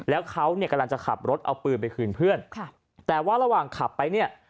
แล้วเขาเนี่ยกำลังจะขับรถเอาปืนไปคืนเพื่อนค่ะแต่ว่าระหว่างขับไปเนี่ย